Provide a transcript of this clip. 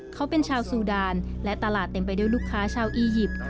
เขาเป็นชาวซูดานและตลาดเต็มไปด้วยลูกค้าชาวอียิปต์